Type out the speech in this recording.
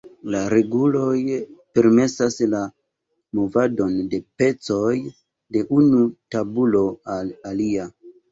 La reguloj permesas la movadon de pecoj de unu tabulo al alia.